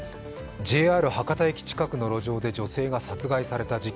ＪＲ博多駅近くの路上で女性が殺害された事件。